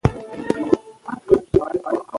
سپورت د بندونو نرم ساتلو یوه لاره ده.